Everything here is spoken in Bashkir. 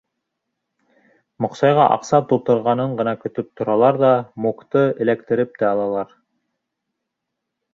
Моҡсайға аҡса тултырғанын ғына көтөп торалар ҙа Мукты эләктереп тә алалар.